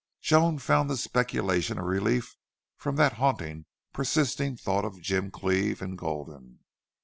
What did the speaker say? Joan found the speculation a relief from that haunting, persistent thought of Jim Cleve and Gulden.